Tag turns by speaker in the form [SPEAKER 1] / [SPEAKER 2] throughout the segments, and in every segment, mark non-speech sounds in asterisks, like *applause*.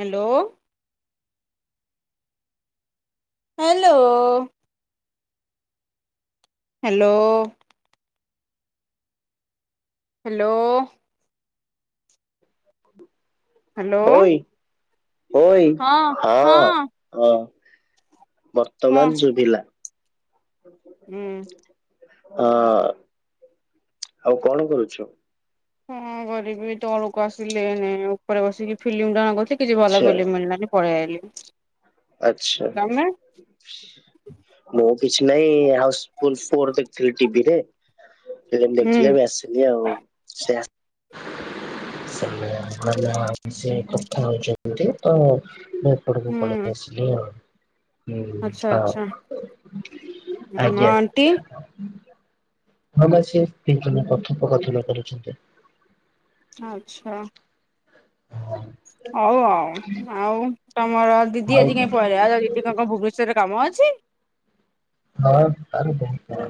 [SPEAKER 1] Hello. Hello. Hello. Hello. Hello.
[SPEAKER 2] ହଇ ହଁ ହ
[SPEAKER 1] କଣ
[SPEAKER 2] ବର୍ତ୍ତମାନ ଶୁଭିଲା। ଆ।
[SPEAKER 1] ହୁଁ
[SPEAKER 2] ହଁ ଆଉ କଣ କରୁଛୁ।
[SPEAKER 1] ହଁ କରିବି ତ ଲୋକ ଆସିଲେ ନ ଉପରେ ବସିକି ଫିଲ୍ମ ଟଡା କର କିଛି ଭଲ
[SPEAKER 2] ଆଚ୍ଛା
[SPEAKER 1] ଫିଲ୍ମ ମିଳିଲି। ପଲେଇଆଇଲେ *unintelligible*
[SPEAKER 2] ଆଚ୍ଛା। ମୁଁ କିଛି ନାଇଁ ହାଉସଫୁଲ ଫୋର ଦେଖଥିଲି ଟିଭିରେ ସେ
[SPEAKER 1] ହୁଁ
[SPEAKER 2] ଦେଖଥିଲ ବି ଆସିି ଆଉ ସେ ସ କଥା ହଉଛନ୍ତି ତ ମପଡ଼କୁ
[SPEAKER 1] ହୁଁ
[SPEAKER 2] କଳସିଲ *unintelligible* ହୁଁ
[SPEAKER 1] ଆଚ୍ଛା ଆଚ୍ଛା
[SPEAKER 2] -ହଁ
[SPEAKER 1] ହଁ
[SPEAKER 2] ଆଜ୍ଞା।
[SPEAKER 1] ଆଣ୍ଟି
[SPEAKER 2] ହଁ ଭ ସେ ତିନି ଜଣ କଥୋପକାର୍ଥନା କରୁଛନ୍ତି। *unintelligible*
[SPEAKER 1] ଆଚ୍ଛା।
[SPEAKER 2] ହଁ।
[SPEAKER 1] ହଉ -ହଉ ଆଉ ତମର ଦିଦି
[SPEAKER 2] ଆଉ
[SPEAKER 1] ଆଜି କାଇଁ ପଳେଇଲା ଦିଦି କଣ ଭୋ ସେଟା କାମ ଅଛି।
[SPEAKER 2] ହଁ ଆରେ ଦେଖ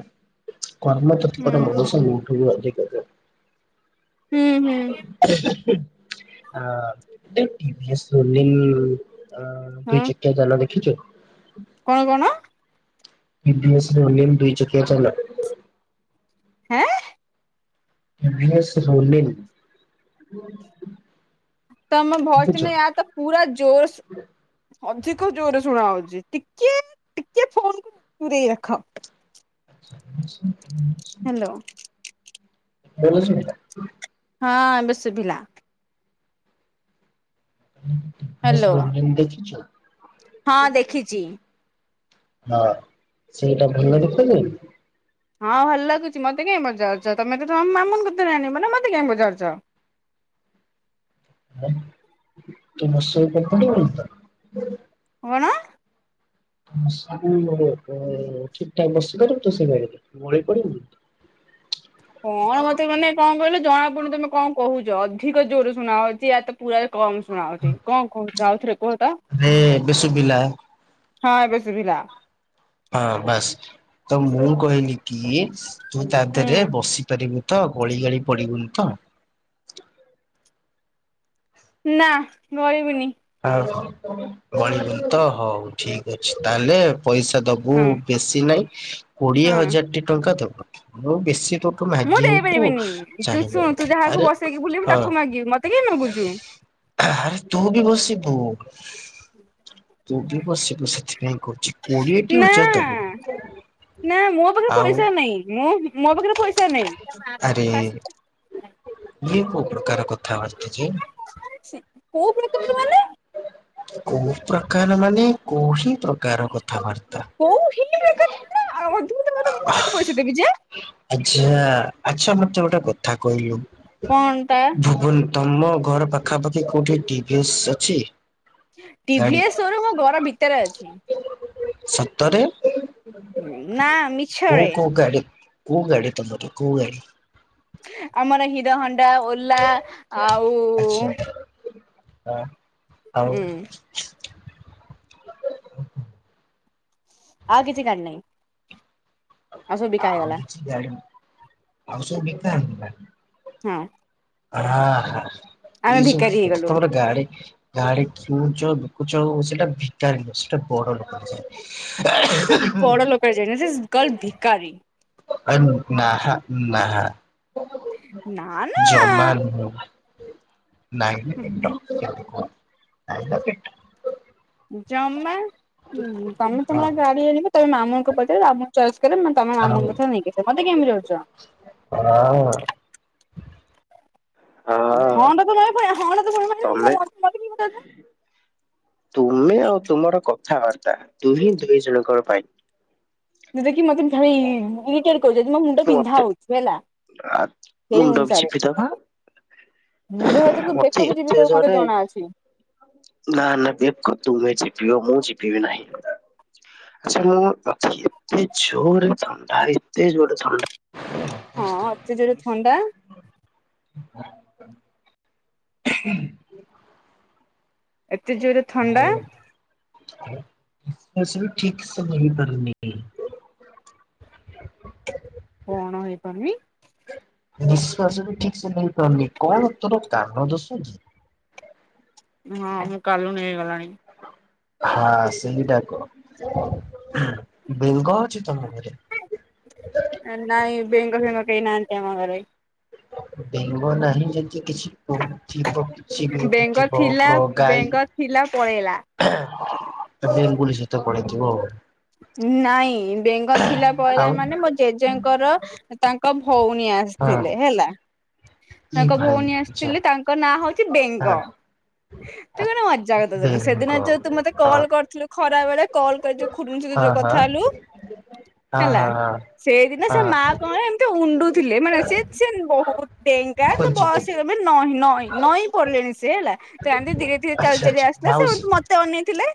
[SPEAKER 2] କର୍ମ
[SPEAKER 1] ହୁଁ
[SPEAKER 2] କ୍ଷେତ୍ରରେ ଗୋଟେ ମନୁଷ୍ୟ ଉଠୁ। *inaudible*
[SPEAKER 1] ହୁଁ ହୁଁ।
[SPEAKER 2] ଆ ଟିଭିି ଶ *unintelligible* ଅ
[SPEAKER 1] ହଁ
[SPEAKER 2] ଦୁଇ ଚକିଆ ଯାନ ଦେଖିଛୁ?
[SPEAKER 1] କଣ -କଣ?
[SPEAKER 2] ପିଭି ଏ ସେ ନୂଆ ନେମ୍ ଦୁଇ ଚକିଆ ଯାନ।
[SPEAKER 1] ଆଁ।
[SPEAKER 2] ପି ଭି ଏ ସେ ରୋନିମ୍
[SPEAKER 1] ତମ ଭଏଶ୍ ନ ଆ ତ ପୁରା ଜୋଶ ଅଧିକ ଜୋର ଶୁଣା ହୋଉଚି ଟିକେ ଟିକେ ଫୋନ କୁ ଦୂରେଇ ରଖ।
[SPEAKER 2] ଶ୍ୱଦିସ ପିଉଚି
[SPEAKER 1] ହାଲୋ।
[SPEAKER 2] ଭଲ ଶୁଭିଲା।
[SPEAKER 1] ହଁ ଏବେ ଶୁଭିଲା। ହ୍ୟାଲୋ
[SPEAKER 2] ମଶାଣି ଦେଖିଛୁ?
[SPEAKER 1] ହଁ ଦେଖିଛି।
[SPEAKER 2] ହଁ ସେଟା ଭଲ ଦିଶୁ ଯାଉନି।
[SPEAKER 1] ହଁ ଭଲ ଲାଗୁଚି ମତେ କାଇଁ ପଚାରୁଚ ତମେ ତ ତମ ମାମୁନି କତିରୁ ଆଣିବ ନା ମୋତେ କାଇଁ ବଜାରୁଚ?
[SPEAKER 2] ମୋଶହ କପ୍ଲୁଟେବୁଲୁ ତ?
[SPEAKER 1] କଣ?
[SPEAKER 2] ତୁମେ ସବୁଳେ ତୁମେ ଠିକ୍ ଠାକ୍ ବସିପାରିବୁ ତ ସେବାଲିରେ ଗୋଳେଇ ପାରିବୁକିନ୍ତୁ
[SPEAKER 1] କଣ ମତେ ମାନେ କଣ କହିଲ ଜଣା ପଡୁନି ତମେ କଣ କୋହୁଛ ଅଧିକ ଜୋରରେ ଶୁଣା ହୋଉଛି ୟାତ ପୁରା କମ ଶୁଣାହୋଉଚି କଣ କହୁଛ ଆଉଥରେ କୁହ ତ?
[SPEAKER 2] ଆରେ ଏବେ ଶୁଭିଲା
[SPEAKER 1] ହଁ ଏବେ ଶୁଭିଲା।
[SPEAKER 2] ହଁ ବାସ୍ ତ ମୁଁ କହିଲି କି ସି ତୁ ତା
[SPEAKER 1] ହୁଁ
[SPEAKER 2] ଦେହରେ ବସିପାରିବୁ। ତ ଗଳି ଗାଳି ପଡିବୁନି ତ?
[SPEAKER 1] ନା ଗଳିବିନି।
[SPEAKER 2] ହଁ ଗଳିବୁନି ତ ହୋଉ ଠିକ୍ ଅଛି ତାହେଲେ ପଇସା ଦବ
[SPEAKER 1] ହଁ
[SPEAKER 2] ହୁଁ ବେଶୀ ନାଇଁ କୋଡିଏ
[SPEAKER 1] ହଁ
[SPEAKER 2] ହଜାରଟି ଟଙ୍କା ଦୋବୁ ମୁଁ ବେଶୀ ତୁ
[SPEAKER 1] ମୁଁ
[SPEAKER 2] ମାଗିଅଣିଚୁ
[SPEAKER 1] ଦେଇପାରିବିନି ତୁ
[SPEAKER 2] ଚାହିଁବୁ
[SPEAKER 1] ଶୁଣ ତୁ ଯାହାକୁ
[SPEAKER 2] ଆରେ
[SPEAKER 1] ବସେଇକି ବୁଲିବୁ
[SPEAKER 2] ହଁ।
[SPEAKER 1] ତାକୁ ମାଗିବୁ ମତେ କାଇଁ ମାଗୁଛୁ।
[SPEAKER 2] ହା ହା ରେ ତୁ ବି ବସିିବୁ? ତୁ ବି ବସିବୁ ସେଥିପାଇଁ କହୁଛି କୋଡିଏଟି
[SPEAKER 1] ନା
[SPEAKER 2] ହଜାର ଦବୁ।
[SPEAKER 1] ନା ମୋ ପାଖରେ
[SPEAKER 2] ଆଉ
[SPEAKER 1] ପଇସା ନାହିଁଁ ମୁଁ ମୋ ମୋ ପାଖରେ ପଇସା ନାହିଁ।
[SPEAKER 2] ମୁଁ ଇଏ କୋଉ ପ୍ରକାର କଥାବାର୍ତ୍ତା ଯେ
[SPEAKER 1] କୋଉ ପ୍ରକାର ମାନେ?
[SPEAKER 2] କୋଉ ପ୍ରକାର ମାନେ କୋଉଠି ପ୍ରକାର କଥାବାର୍ତ୍ତା?
[SPEAKER 1] କୋଉଁ *inaudible* *inaudible* ମୁଁଁ ପଇସା ଦେବି ଯେ?
[SPEAKER 2] ଆଛା ଆଛା ମତେ ଗୋଟେ କଥା କହିଲୁ
[SPEAKER 1] କଣ ଟା
[SPEAKER 2] ଭୁଲ ତୁମ ଘର ପାଖାପାଖି କୋଉଠି ଟିଭିଏସ୍ ଅଛି? ଗାଡି
[SPEAKER 1] ଟିଭିଏସେ ସୋରୁମୁ ଘର ଭିତରେ ଅଛି।
[SPEAKER 2] ସତରେ?
[SPEAKER 1] ନାଆ ମି
[SPEAKER 2] କୋଉ କୋଉ ଗାଡି କୋଉ ଗାଡି ତମର ତ କୋଉ ଗାଡି?
[SPEAKER 1] ଆମର ହିରହଣ୍ଡା ଓଲା ଆଉ
[SPEAKER 2] ଆଁ ଆଉ
[SPEAKER 1] ହୁଁ ଆଉ କିଛି ଜାଣିନାହିଁ।
[SPEAKER 2] *unintelligible*
[SPEAKER 1] ହଁ।
[SPEAKER 2] ହା ହା
[SPEAKER 1] ଆମେ
[SPEAKER 2] ଇ
[SPEAKER 1] ଭିକାରୀ
[SPEAKER 2] ସବି
[SPEAKER 1] ହେଇଗଲୁ।
[SPEAKER 2] ତମର ଗାଡି ଗାଡ କିଣୁଚ ବିକୁଚ ଓ ସେଟା ଭିକାରୀ ସେଟା ବଡ ଲୋକ।
[SPEAKER 1] ସେ ତ ବଡ ଲୋକଯେ *inaudible* ସେଟା କଲ ଭିକାରୀ।
[SPEAKER 2] *inaudible* ନାହା ନାହା
[SPEAKER 1] ନା
[SPEAKER 2] ଜମା
[SPEAKER 1] ନା
[SPEAKER 2] ରୁ ନୁଁ ନାଇଁ ପିଣ୍ଟୁ ନାଇଁ ପିଣ୍ଟୁ
[SPEAKER 1] ଜମା ତମେ
[SPEAKER 2] ହଁ
[SPEAKER 1] ତମର ଗାଡି ଆଣିବ ତମେ ମାମୁଁଙ୍କ ପଚାର ମାମୁଁ ଚଏସ୍ କରିବେ। ତମ
[SPEAKER 2] ଆଉ
[SPEAKER 1] ମାମୁଁଙ୍କୁ ନେଇକି ଯିବ ମୋତେ କାଇ ପଚାରୁଚ।
[SPEAKER 2] ନା ମୁଁ *inaudible* ହଁ
[SPEAKER 1] ହଁ ଲୋ *inaudible* ହଁ ଲୋ *inaudible*
[SPEAKER 2] ତମେ
[SPEAKER 1] ପଚାରୁଚୁ।
[SPEAKER 2] ତୁମେ ଆଉ ତୁମର କଥାବାର୍ତ୍ତା ତୁ ହିଁ ଦୁଇ ଜଣଙ୍କର ପାଇଁ।
[SPEAKER 1] *unintelligible* ମୋ ମୁଣ୍ଡ ବିନ୍ଧା
[SPEAKER 2] ମତେ
[SPEAKER 1] ହଉଛି ହେଲା।
[SPEAKER 2] ଆ
[SPEAKER 1] ସେଇ
[SPEAKER 2] ମୁଣ୍ଡକୁ
[SPEAKER 1] ଅନୁସାରେ
[SPEAKER 2] ଚିପି ଦବା।
[SPEAKER 1] ମୁଣ୍ଡ ହାତ ତୁ ବେକ ବିି ଚିପି
[SPEAKER 2] ଏତେ
[SPEAKER 1] ଦବୁ ମତେ
[SPEAKER 2] ଜୋରେ
[SPEAKER 1] ଜଣା ଅଛି।
[SPEAKER 2] ନା ନା ବେକ ତୁମେ ଚିପିବ ମୁଁ ଚିପିବ ନାହିଁ। ଆଛା ମୁଁ ଅଛି ଏତେ ଜୋର ଥଣ୍ଡା ଏତେ ଜୋର ଥଣ୍ଡା।
[SPEAKER 1] ହଁ ଏତେ ଜୋରେ ଥଣ୍ଡା।
[SPEAKER 2] ହୁଁ।
[SPEAKER 1] ଏତେ ଜୋରେ ଥଣ୍ଡା
[SPEAKER 2] ଓହ ନିଶ୍ୱାସ ବି ଠିକ ସେ ହେଇପାରୁନି।
[SPEAKER 1] କଣ ହେଇପାରୁନି?
[SPEAKER 2] ନିଶ୍ଵାସ ବି ଠିକ ସେ ନେଇ ପାରୁନି କଣ ତୋର କାନ ଦୋଷ କି।
[SPEAKER 1] ହଁ ମୁଁ କାଲୁଣି ହେଇଗଲାଣି।
[SPEAKER 2] ହଁ ସେଇଟା କହ ବେଙ୍ଗ ଅଛି ତମ ଘରେ?
[SPEAKER 1] ନାାଇଁ ବେଙ୍ଗ ଫେଙ୍ଗ କେହିଁ ନାହାନ୍ତି ଆମ ଘରେ।
[SPEAKER 2] ବେଙ୍ଗ ନାହିଁ ଯଦି କିଛି ଥିବ। କିଛି ବି ଗୋଟେ
[SPEAKER 1] ବେଙ୍ଗ
[SPEAKER 2] ଥିବ ଗ
[SPEAKER 1] ଥିଲା
[SPEAKER 2] ଗାଈ
[SPEAKER 1] ବେଙ୍ଗ ଥିଲା ପଳେଇଲା।
[SPEAKER 2] ବେଙ୍ଗୁଲି ସହିତ ପଳେଇଥିବ ଆଉ।
[SPEAKER 1] ଉଁ ନାଇଁ ବେଙ୍ଗ ଥିଲା ପଳେଇଲା
[SPEAKER 2] ଆଉ
[SPEAKER 1] ମାନେ ମୋ ଜେଜେଙ୍କର ତାଙ୍କ ଭଉଣୀ ଆସ
[SPEAKER 2] ଆଉ ହଁ
[SPEAKER 1] ଥିଲେ ହେଲା
[SPEAKER 2] ଇ
[SPEAKER 1] ତାଙ୍କ
[SPEAKER 2] ଭାଇ
[SPEAKER 1] ଭଉଣୀ
[SPEAKER 2] ଆଛା
[SPEAKER 1] ଆସିଥିଲେ ତାଙ୍କ ନାଁ ହଉଛି
[SPEAKER 2] ହଁ
[SPEAKER 1] ବେଙ୍ଗ।
[SPEAKER 2] ଆ
[SPEAKER 1] ତୁ ଗୋଟେ ମଜାକଥା ଦିନ
[SPEAKER 2] ବେଙ୍ଗ
[SPEAKER 1] ସେଦିନ
[SPEAKER 2] ହଁ
[SPEAKER 1] ଯୋଉ ତୁ ମତେ
[SPEAKER 2] ହଁ
[SPEAKER 1] କଲ୍ କରିଥିଲୁ ଖରା ବେଳେ କଲ୍ କରି ଖୁରୁଣି ସହିତ
[SPEAKER 2] ହଁ
[SPEAKER 1] ଯୋଉ କଥା
[SPEAKER 2] ହଁ
[SPEAKER 1] ହେଲୁ
[SPEAKER 2] ହଁ
[SPEAKER 1] ହେଲା।
[SPEAKER 2] ହଁ ହଁ।
[SPEAKER 1] ସେଇଦିନ ସେ ମା କଣ ଏମିତି ଉଣ୍ଡୁଥିଲେ ମାନେ ସେ ସେ ବହୁତ ଡେଙ୍ଗା ତ
[SPEAKER 2] ଖୋଜୁଥିଲି
[SPEAKER 1] ବୟସ ଆବେ ନ ନ ନଇଁ ପଡିଲେଣି ସେ ହେଲା ଏମତି ଧୀରେ ଧୀରେ ଚାଲି
[SPEAKER 2] ଆଚ୍ଛା
[SPEAKER 1] ଚାଲି
[SPEAKER 2] ଆଚ୍ଛା
[SPEAKER 1] ଆସିଲା ସେ
[SPEAKER 2] ମାଉସୀ
[SPEAKER 1] ମତେ ଅନେଇଥିଲେ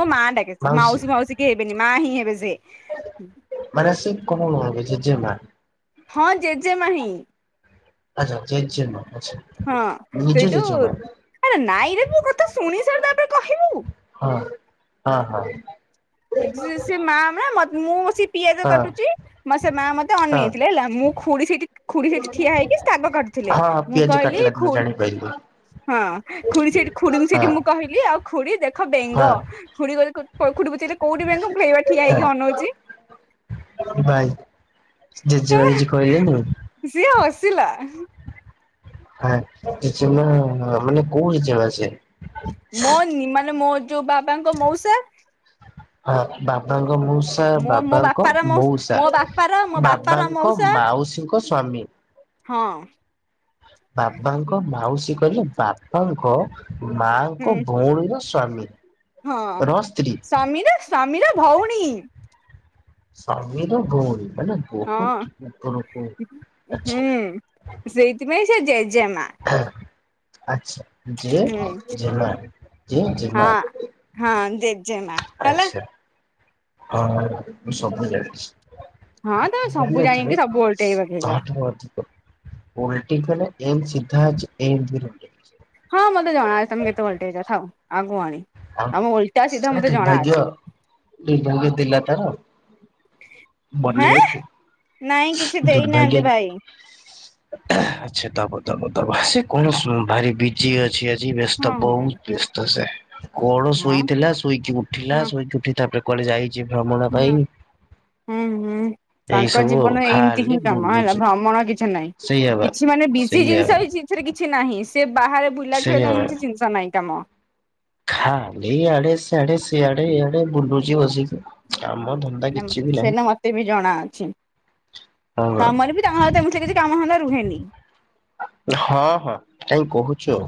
[SPEAKER 1] ମୋ ମା ଡାକେ ସେ ମାଉସୀ ମାଉସୀ କେହି ହେବେନି ମା ହିଁ ହେବେ ସେ।
[SPEAKER 2] ମାନେ ସେ କଣ ହେବେ ଜେଜେମା?
[SPEAKER 1] ହଁ ଜେଜେମା ହିଁ।
[SPEAKER 2] ଆଚ୍ଛା ଜେଜେମା ଆଚ୍ଛା।
[SPEAKER 1] ହଁ
[SPEAKER 2] ନିଜ
[SPEAKER 1] ସେଇଠୁ
[SPEAKER 2] ଜେଜେମା
[SPEAKER 1] ଆରେ ନାଇଁରେ ମୋ କଥା ଶୁଣି ସାରେ ତାପରେ କହିବୁ।
[SPEAKER 2] ହଁ ହଁ ହଁ।
[SPEAKER 1] ସେ ସେ ମା ହେବେ ମୁଁ ବସି ପିଆଜ
[SPEAKER 2] ହଁ
[SPEAKER 1] କଟୁଛି ମୋ ସେ ମା ମତେ
[SPEAKER 2] ହଁ
[SPEAKER 1] ଅନେଇଥିଲେ ହେଲା ମୁଁ ଖୁଡ଼ି ସେଇଠି ଖୁଡ଼ି ସେଇଠି ଠିଆ ହେଇକି ଶାଗ କାଟୁ ଥିଲେ।
[SPEAKER 2] ହଁ
[SPEAKER 1] ମୁଁ
[SPEAKER 2] ପିଆଜ
[SPEAKER 1] କହିଲି
[SPEAKER 2] କାଟିଲା ଦିନ
[SPEAKER 1] ଖୁଡ଼
[SPEAKER 2] ଜାଣିପାରିଲି
[SPEAKER 1] ହଁ ଖଡ଼ି ସେଠି ଖୁଡି ବି ସେଇଠି
[SPEAKER 2] ହଁ
[SPEAKER 1] ମୁଁ କହି କହିଲି ଆଉ ଖୁଡ଼ି ଦେଖ ବେଙ୍ଗ
[SPEAKER 2] ହଁ
[SPEAKER 1] ଖୁଡ଼ି କହି ଖୁଡ଼ି ପଚାରିଲେ କୋଉଠି ବେଙ୍ଗ ମୁଁ କହିଲି ଠିଆ ହେଇକି
[SPEAKER 2] ହଁ
[SPEAKER 1] ଅନଉଛି।
[SPEAKER 2] ଭାଇ ଜେଜେମା କିଛି କହିଲେନି?
[SPEAKER 1] ସିଏ ହସିଲା।
[SPEAKER 2] ହଁ ଜେଜେମା ମାନେ କୋଉ ଜେଜେମା ସେ?
[SPEAKER 1] ମୋ ମାନେ ମୋ ଯୋଉ ବାବାଙ୍କ ମଉସା
[SPEAKER 2] ହଁ ବାବାଙ୍କ ମଉସା
[SPEAKER 1] ମୋ ମୋ
[SPEAKER 2] ବାବାଙ୍କ
[SPEAKER 1] ବାପାର
[SPEAKER 2] ମଉସା।
[SPEAKER 1] ମୋ ବାପାର ମୋ ବାପାର
[SPEAKER 2] ବାବାଙ୍କ
[SPEAKER 1] ମଉସା
[SPEAKER 2] ମାଉସୀଙ୍କ ସ୍ଵାମୀ।
[SPEAKER 1] ହଁ।
[SPEAKER 2] ବାବାଙ୍କ ମାଉସୀ କିହିଲେ ବାବାଙ୍କ ମାଙ୍କ
[SPEAKER 1] ହୁଁ
[SPEAKER 2] ଭଉଣୀର ସ୍ଵାମୀ।
[SPEAKER 1] ହଁ
[SPEAKER 2] ର ସ୍ତ୍ରୀ
[SPEAKER 1] ସ୍ୱାମୀର ସ୍ୱାମୀର ଭଉଣୀ।
[SPEAKER 2] ସ୍ୱାମୀ ର ଭଉଣୀ ମାନେ ବହୁତ
[SPEAKER 1] ହଁ
[SPEAKER 2] ଉପରକୁ ଆଚ୍ଛା
[SPEAKER 1] ହୁଁ ସେଇଥି ପାଇଁ ସେ ଜେଜେମା।
[SPEAKER 2] ଆଚ୍ଛା ଜେ
[SPEAKER 1] ହୁଁ
[SPEAKER 2] ଜେମା ଜେ ଜେମା।
[SPEAKER 1] ହଁ। ହଁ ଜେ
[SPEAKER 2] ଆଛା ହଁ ମୁ ସବୁ ଜାଣିଚି।
[SPEAKER 1] ହଁ ତମେ ସବୁ ଜାଣିକି
[SPEAKER 2] ଜାଣିନଥିବେ
[SPEAKER 1] ସବୁ ଓଲଟେଇ ପକେଇଛ।
[SPEAKER 2] ତମ ଠାରୁ ଅଧିକ। *unintelligible*
[SPEAKER 1] ହଁ ମତେ ଜଣ ଆ ତମେ କେତେ ଓଲ୍ଡେଇଛ ଥାଉ ଆଉ କୁହନି। ତମ ଓଲଟା ସିଧା
[SPEAKER 2] ହଁ
[SPEAKER 1] ମତେ ଜଣା
[SPEAKER 2] ଦୁର୍ଭାଗ୍ୟ
[SPEAKER 1] ଅଛି
[SPEAKER 2] ଦୁର୍ଭାଗ୍ୟ ଥିଲା ତାର।
[SPEAKER 1] ହେଁ ନାଇଁ କିଛି
[SPEAKER 2] ବନେଇବାକୁ
[SPEAKER 1] ଦେଇନାହାନ୍ତି
[SPEAKER 2] ଦୁର୍ଭାଗ୍ୟ।
[SPEAKER 1] ଭାଇ।
[SPEAKER 2] ଆଛା ଦବ ଦବ ଦବ ସେ କଣ ଭାରି ବିଜି ଅଛିଆ ଜି ବ୍ୟସ୍ତ
[SPEAKER 1] ହଁ ହଁ
[SPEAKER 2] ବହୁତ ବ୍ୟସ୍ତ ସେ କଣ
[SPEAKER 1] ହଁ
[SPEAKER 2] ଶୋଇଥିଲା ଶୋଇକି ଉଠିଲା
[SPEAKER 1] ହଁ
[SPEAKER 2] ଶୋଇକି ଉଠି ତାପ କୁଆଡେ ଯାଇଛି ଭ୍ରମଣ
[SPEAKER 1] ହଁ
[SPEAKER 2] ପାଇଁ।
[SPEAKER 1] ହୁଁ ହୁଁ
[SPEAKER 2] ଏଇ
[SPEAKER 1] ତାଙ୍କ
[SPEAKER 2] ସବୁ ଆଉ
[SPEAKER 1] ଜୀବନରେ ଏମିତି
[SPEAKER 2] ଖାଲି
[SPEAKER 1] ହିଁ କାମ ହେଲା
[SPEAKER 2] ବୁଲୁଛି
[SPEAKER 1] ଭ୍ରମଣ କିଛି ନାହିଁ।
[SPEAKER 2] ସେଇଆ ବା
[SPEAKER 1] କିଛି ମାନେ ବିଜି
[SPEAKER 2] ସେଇଆ
[SPEAKER 1] ଜିନିଷ ହେଇଛି। ସେରେ କିଛି ନାହିଁ ସେ ବାହାରେ ବୁଲିଲା ଛଳିଆ
[SPEAKER 2] ସେଇଆ
[SPEAKER 1] ତାଙ୍କ କିଛି ଜିନିଷ ନାହିଁ କାମ।
[SPEAKER 2] ଖା ଇଆଡେ ସିଆଡେ ସିଆଡେଇଆଡେ ବୁଲୁଛି ବସିକି। କାମ ଧନ୍ଦା କିଛି ବି ନାହିଁ
[SPEAKER 1] ସେଟା ମତେ ବି ଜଣା ଅଛି
[SPEAKER 2] ହଁ ବା।
[SPEAKER 1] ତମର ବି ତମର ତ କିଛି କାମ ଧନ୍ଦା ରୁହେନି।
[SPEAKER 2] ହଁ ହଁ କାଇଁ କହୁଚ।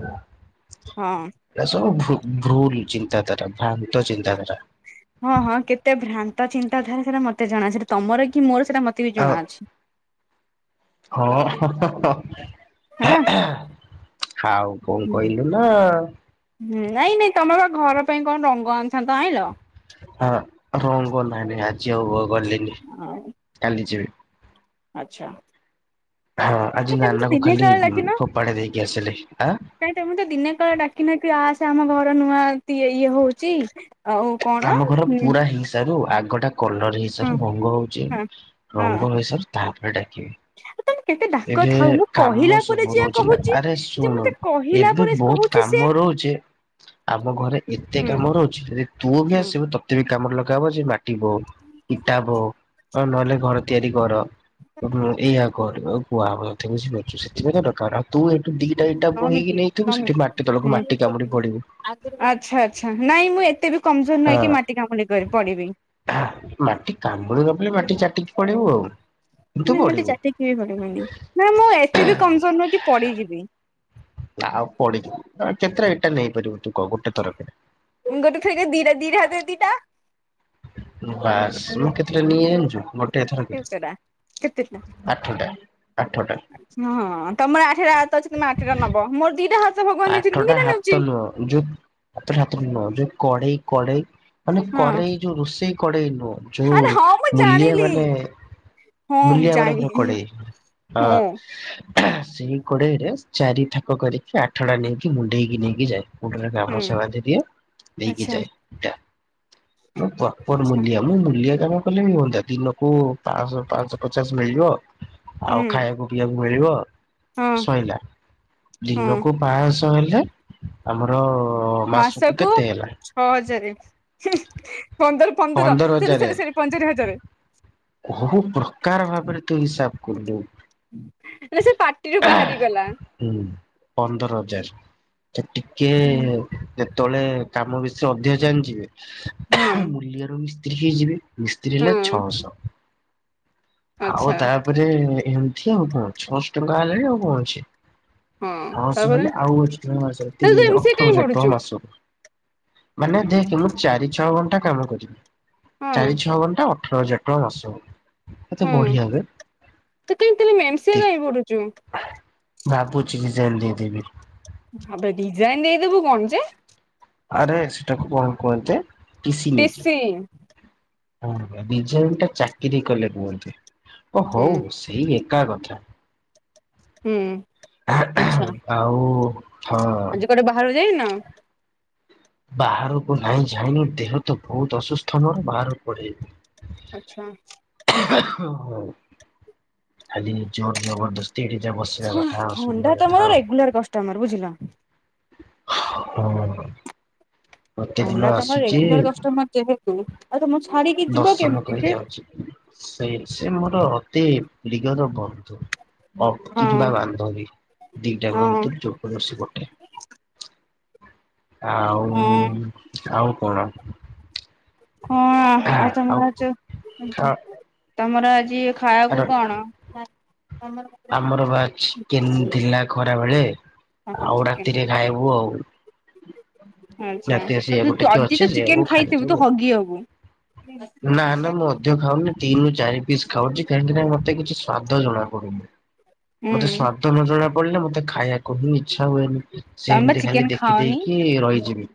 [SPEAKER 1] ହଁ।
[SPEAKER 2] ଏଟା ସବୁ ଭୁ ଭୁଲ ଚିନ୍ତାଧାରା ଭ୍ରାନ୍ତ ଚିନ୍ତାଧାରା।
[SPEAKER 1] ହଁ ହଁ କେତେ ଭ୍ରାନ୍ତ ଚିନ୍ତାଧାରା ସେଟା ମତେ ଜଣା ଅଛିଟା ତମର କି ମୋର ସେଇଟା ମତେ ବି
[SPEAKER 2] ଆଉ
[SPEAKER 1] ଜଣା ଅଛି।
[SPEAKER 2] ହଁ ହଁ।
[SPEAKER 1] ହେଲା
[SPEAKER 2] ଆଉ କଣ କହିଲୁ ନା?
[SPEAKER 1] ହୁଁ ନାଇଁ ନାଇଁ ତମେ ବା ଘର ପାଇଁ କଣ ରଙ୍ଗ ଆଣିଥାଆନ୍ତା ଆଣିଲ?
[SPEAKER 2] ହଁ ରଙ୍ଗ ନାଇଁ ନାଇଁ ଆଜି ଆଉ ଗଲିନି।
[SPEAKER 1] ଆଉ
[SPEAKER 2] କାଲି ଯିବି।
[SPEAKER 1] ଆଚ୍ଛା।
[SPEAKER 2] ହଁ ଆଜି
[SPEAKER 1] ତମେ ତ
[SPEAKER 2] ନାନାକୁ
[SPEAKER 1] ଦିନେ
[SPEAKER 2] ଖାଲି
[SPEAKER 1] କାଳେ
[SPEAKER 2] ଫୋପାଡ଼ି ଦେଇକି ଆସିଲେ ଆଁ
[SPEAKER 1] କାହିଁ ତମେ ଦିନେ କଳେ ଡାକ ନା କିି ଆସେ ଆମ ଘର ନୂଆ ଇଏ ହଉଛି ଆଉ କଣ
[SPEAKER 2] ତ ଆମ ଘର
[SPEAKER 1] ହୁଁ
[SPEAKER 2] ପୁରା ହେଇସାରୁ ଆଗଟା କଲର
[SPEAKER 1] ହଁ
[SPEAKER 2] ହଇସାରୁ ରଙ୍ଗ ହଉଛି
[SPEAKER 1] ହଁ
[SPEAKER 2] ରଙ୍ଗ ହେଇସାରୁ ତାପରେ ଡାକିବି।
[SPEAKER 1] ଆଉ ତମେ କେତେ ଡାକ
[SPEAKER 2] ଏବେ
[SPEAKER 1] ଥାଉ ମୁଁ
[SPEAKER 2] କାମ
[SPEAKER 1] କହିଲା ପରେ
[SPEAKER 2] ସବୁ
[SPEAKER 1] ଯଆ
[SPEAKER 2] ରହୁଛି ନା
[SPEAKER 1] କହୁଛି
[SPEAKER 2] ଆରେ
[SPEAKER 1] ଯେ
[SPEAKER 2] ଶୁଣୁ
[SPEAKER 1] ମତେ କହିଲା
[SPEAKER 2] ଏବେ
[SPEAKER 1] ପରେ ସେ
[SPEAKER 2] ବହୁତ
[SPEAKER 1] କହୁଛି
[SPEAKER 2] କାମ
[SPEAKER 1] ସେ
[SPEAKER 2] ରହୁଛେ ଆମ ଘରେ ଏତେ
[SPEAKER 1] ହୁଁ
[SPEAKER 2] କାମ ରହୁଛେ ଯଦି ତୁ ବି
[SPEAKER 1] ହୁଁ
[SPEAKER 2] ଆସିବୁ ତ ତତେ ବି କାମରେ ଲଗାହବ ଯେ ମାଟିବୋହ ଇଟା ବୋହ ନହେଲେ ଘରେ ତିଆରି କର ଏଇଆ କର କୁହାହବ ତତେ ବୁଝିପାରୁଛୁ। ସେଥିପାଇଁ ତ ଡକାହେଲା ତୁ ଏଇଠୁ ଦିଟା ଇଟା
[SPEAKER 1] ନଅ
[SPEAKER 2] ବୋହିକି
[SPEAKER 1] ମିନିଟ
[SPEAKER 2] ନେଇଥିବୁ
[SPEAKER 1] ନଅ ମିନିଟ
[SPEAKER 2] ସେଠି ମାଟି ତଳକୁ
[SPEAKER 1] ହୁଁ
[SPEAKER 2] ମାଟି କାମୁଡି ପଡିବୁ।
[SPEAKER 1] ଆଚ୍ଛା ଆଚ୍ଛା ନାଇଁ ମୁଁ ଏତେ ବି କମଜୋର ନାହିଁକି
[SPEAKER 2] ହଁ
[SPEAKER 1] ମାଟି କାମୁଡି କ ପଡିବି।
[SPEAKER 2] ମାଟି କାମୁଡି ନ ପଇଲେ ମାଟି ଚାଟିକି ପଡିବୁ ଆଉ କିନ୍ତୁ
[SPEAKER 1] ନାଇଁ
[SPEAKER 2] ପଡିବୁ।
[SPEAKER 1] *unintelligible* ନା ମୁଁ ଏତେ ବି କମଜୋର ନୁହେଁ କି ପଡିଯିବି।
[SPEAKER 2] ଆଉ ପଡିଯିବୁ। କେତେଟା ଇଟା ନେଇପାରିବୁ ତୁ କହ ଗୋଟେ ଥରକରେ?
[SPEAKER 1] ଗୋଟେ ଥରକେ ଦିଇଟା। ଦିଟା ହାତରେ ଦିଟା।
[SPEAKER 2] ବାସ୍ ମୁଁ କେତେଟା ନିଏ ଯାଣିଛୁ ମୋ ଟେ ଥରକରେ
[SPEAKER 1] କେତେଟା କେତେଟା
[SPEAKER 2] ଆଠଟା ଆଠଟା।
[SPEAKER 1] ହଁ ତମର ଆଠଟା ହାତ ଅଛି ତମେ ଆଠଟା ନବ। ମୋର ଦିଟା ହାତ ଭଗବାନ ଦେଇଛନ୍ତି ମୁଁ ଦିଟା ନେଉଛି।
[SPEAKER 2] ଯଉ ହାତରେ ହାତରେ ନୁହଁ ଯୋଉ କଡେଇ କଡେଇ ମାନେ
[SPEAKER 1] ହଁ
[SPEAKER 2] କରେଇ ଯୋଉ ରୋଷେଇ କଡେଇ ନୁହଁ ଯୋଉ
[SPEAKER 1] ଆରେ ହଁ ମୁଁ
[SPEAKER 2] ମୂଲିଆ
[SPEAKER 1] ଜାଣିଲି
[SPEAKER 2] ମାନେ
[SPEAKER 1] ହଁ ମୁଁ
[SPEAKER 2] ମୁଲିଆ ମାନଙ୍କର
[SPEAKER 1] ଜାଣିଲି
[SPEAKER 2] କଡେଇ ହଁ। ସେଇ କୋଡେଇରେ ଚାରି ଥାକ କରିକି ଆଠ ଟା ନେଇକି ମୁଣ୍ଡେଇକି ନେଇକି ଯାଏ। ମୁଣ୍ଡରେ
[SPEAKER 1] ହୁଁ
[SPEAKER 2] ଗାମୁଛା ବାନ୍ଧିଦିଏ ନେଇକି
[SPEAKER 1] ଆଚ୍ଛା
[SPEAKER 2] ଯାଏ ଇଟା *unintelligible* କଣ
[SPEAKER 1] ଆଚ୍ଛା
[SPEAKER 2] ମୂଲିଆ ମୁଁ ମୂଲିଆ କାମ କଲେ ବି ହୁଅନ୍ତା ଦିନକୁ ପାଞ୍ଚଶହ ପାଞ୍ଚଶହ ପଚାଶ ମିଳିବଯିବ। ଆଉ
[SPEAKER 1] ହୁଁ
[SPEAKER 2] ଖାଇବାକୁ ପିଇବାକୁ ମିଳିବ
[SPEAKER 1] ହଁ
[SPEAKER 2] ଶଇଲା।
[SPEAKER 1] ହଁ
[SPEAKER 2] ପାଞ୍ଚଶହ ହେଲେ ଆମର ମାସକୁ କେତେ ହେଲା?
[SPEAKER 1] ଛଅ ହଜାରେ। ପନ୍ଦର ପନ୍ଦର ସରି ସରି ସରି ପନ୍ଦର ହଜାର।
[SPEAKER 2] କୋଉ ପ୍ରକାର ଭାବରେ ତୁ ହିସାବ କଲୁ?
[SPEAKER 1] ନାଇ ସେ ପାଟିରୁୁ ବାହାରି ଗଲା।
[SPEAKER 2] ହୁଁ ପନ୍ଦର ହଜାର ତ ଟିକେ
[SPEAKER 1] ହୁଁ
[SPEAKER 2] ଯେତେବେଳେ କାମ ବେଶୀ ଅଧିକା ଜାଣିଯିବି
[SPEAKER 1] ହଁ
[SPEAKER 2] ମୂଲିଆରୁ ମିସ୍ତ୍ରୀ ହେଇଯିବି। ମିସ୍ତ୍ରୀି
[SPEAKER 1] ହଁ
[SPEAKER 2] ହେଲେ ଛଅଶହ। ଆଉ
[SPEAKER 1] ଆଚ୍ଛା
[SPEAKER 2] ତାପରେ ଏମିତି ଆଉ କଣ ଛଅଶହ ଟଙ୍କା ହେଲାଣି ଆଉ କଣ ଅଛି।
[SPEAKER 1] ହଁ
[SPEAKER 2] ଛଅ ମାସ
[SPEAKER 1] ତାପରେ
[SPEAKER 2] ହେଲେ ଆଉ ଏକ୍ସଟ୍ରା ମାସରେ
[SPEAKER 1] ତାହେଲେ
[SPEAKER 2] ତିନି
[SPEAKER 1] ତୁ ଏମ
[SPEAKER 2] ହଜାର
[SPEAKER 1] ସିଏ
[SPEAKER 2] ଅଠର
[SPEAKER 1] କାଇଁ
[SPEAKER 2] ହଜାର
[SPEAKER 1] ପଢୁଛୁ?
[SPEAKER 2] ଟଙ୍କା ମାସ କୁ। ମାନେ ଦେଖ ମୁଁ ଚାରି ଛଅ ଘଣ୍ଟା କାମ କରିବି।
[SPEAKER 1] ହଁ
[SPEAKER 2] ଚାରି ଛଅ ଘଣ୍ଟା ଅଠର ହଜାର ଟଙ୍କା ମାସକୁ। କେତେ
[SPEAKER 1] ହଁ
[SPEAKER 2] ବଢିଆ ବେ
[SPEAKER 1] ତ ତାହେଲେ ତାହାଲେ ଏମ୍ ସି ଏ କାଇଁ ପଢ଼ୁଚୁ।
[SPEAKER 2] ଭାବୁଚି ରିଜାଇନ୍ ଦେଇଦେବି।
[SPEAKER 1] ଆବେ ରିଜାଇନ୍ ଦେଇଦବୁ ଭାବୁଚେ।
[SPEAKER 2] ଆରେ ସେଟାକୁ କଣ କୁହନ୍ତି ତ ଟି ସି ନେଇଯିବି। ହଁ ରିଜାଇନ୍ ଟା ଚାକିରି କଲେ କୁହନ୍ତି ଓ
[SPEAKER 1] ହୁଁ
[SPEAKER 2] ହଉ ସେଇ ଏକା କଥା।
[SPEAKER 1] ହୁଁ ଆଚ୍ଛା।
[SPEAKER 2] ଆଉ ହଁ।
[SPEAKER 1] ଆଜି କୁଆଡେ ବାହାରକୁ ଯାଇନ?
[SPEAKER 2] ବାହାରକୁ ନାଇଁ ଯାଇନି ଦେହ ତ ବହୁତ୍ ଅସୁସ୍ଥ ମୋର ବାହାରକୁ କୁଆଡେ ଯିବି।
[SPEAKER 1] ଆଚ୍ଛା।
[SPEAKER 2] ହୋଉ ଖାଲି ଯୋର ଜବରଦସ୍ତ ଥିରି ଯା ବସିବା କଥା ଆଉ
[SPEAKER 1] ଥଣ୍ଡା
[SPEAKER 2] ଶୋଇବା
[SPEAKER 1] ତମର
[SPEAKER 2] କଥା ଆଉ।
[SPEAKER 1] ରେଗୁଲାର କଷ୍ଟମର ବୁଝିଲ
[SPEAKER 2] ହଁ
[SPEAKER 1] ଥଣ୍ଡା
[SPEAKER 2] ପ୍ରତିଦିନ
[SPEAKER 1] ତମର
[SPEAKER 2] ଆସୁଛି।
[SPEAKER 1] *unintelligible* ଯେହେତୁ ଆଉ ତମକୁ ଛାଡିକି ଯିବ
[SPEAKER 2] ଦର୍ଶନ
[SPEAKER 1] କେମିତି
[SPEAKER 2] କରି
[SPEAKER 1] ଯେ
[SPEAKER 2] ଯାଉଛି। ସେ-ସେ ମୋର ଅତି ପ୍ରିୟର ବନ୍ଧୁ। ଅ
[SPEAKER 1] ହଁ
[SPEAKER 2] କିମ୍ବା ବାନ୍ଧବୀ। ଦି ଟାଙ୍କ
[SPEAKER 1] ହଁ
[SPEAKER 2] ଭିତରୁ ଯୋଉ କୌଣସି ଗୋଟେ।
[SPEAKER 1] ହଁ
[SPEAKER 2] ଆଉ ଆଉ କଣ?
[SPEAKER 1] ହଁ ଆଉ ତମର ଆଜ
[SPEAKER 2] ଆ
[SPEAKER 1] ତମର ଆଜି ଖାଇବାକୁ କଣ?
[SPEAKER 2] ଆମର ବା ଚିକେନ ଥିଲା ଖରାବେଳେ।
[SPEAKER 1] କାଙ୍କଡ଼
[SPEAKER 2] ଆଉ
[SPEAKER 1] ଚିକେନ
[SPEAKER 2] ରାତିରେ ଖାଇବୁ ଆଉ।
[SPEAKER 1] ଆଛା
[SPEAKER 2] ରାତିରେ
[SPEAKER 1] ତୁ
[SPEAKER 2] ସେଇଆକୁ
[SPEAKER 1] ଅଧିକ
[SPEAKER 2] ଟିକେ
[SPEAKER 1] ଯଦି
[SPEAKER 2] ଅଛି
[SPEAKER 1] ତ
[SPEAKER 2] ସେଇଆକୁ
[SPEAKER 1] ଚିକେନ୍ ଖାଇଥିବୁ
[SPEAKER 2] ଖାଇଦବୁ
[SPEAKER 1] ତୁ
[SPEAKER 2] ଆଉ।
[SPEAKER 1] ହଗି ହବୁ।
[SPEAKER 2] ନା ନା ମୁଁ ଅଧିକ ଖାଉନି। ତିନ ରୁ ଚାରି ପିସ୍ ଖାଉଛି କାହିଁକିନା ମତେ କିଛି ସ୍ଵାଦ ଜଣାପଡୁନି।
[SPEAKER 1] ହୁଁ
[SPEAKER 2] ମତେ ସ୍ଵାଦ ନ ଜଣା ପଡିଲେ ମତେ ଖାଇବାକୁ ହିଁ ଇଚ୍ଛା ହୁଏନି।
[SPEAKER 1] ତମେ ବା
[SPEAKER 2] ସେମନ୍ତି ଖାଲି
[SPEAKER 1] ଚିକେନ
[SPEAKER 2] ଦେଖି
[SPEAKER 1] ଖାଅନି।
[SPEAKER 2] ଦେଇକି ରହିଯିବି।